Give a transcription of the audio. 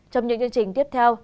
trong những chương trình tiếp theo